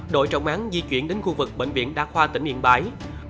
đội trọng án di chuyển đến khu vực bệnh viện đa khoa tỉnh yên bái